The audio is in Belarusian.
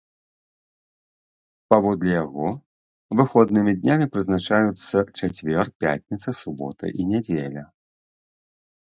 Паводле яго выходнымі днямі прызначаюцца чацвер, пятніца, субота і нядзеля.